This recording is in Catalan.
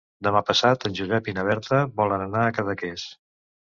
Demà passat en Josep i na Berta volen anar a Cadaqués.